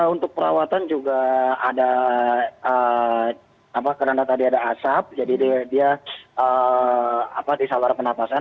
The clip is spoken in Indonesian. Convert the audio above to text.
untuk perawatan juga ada karena tadi ada asap jadi dia di saluran penapasan